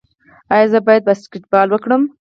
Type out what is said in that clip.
ایا زه باید باسکیټبال وکړم؟